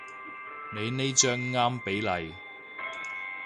你呢張啱比例